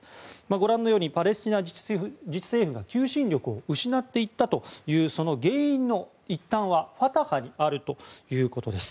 ご覧のようにパレスチナ自治政府が求心力を失っていったという原因の一端はファタハにあるということです。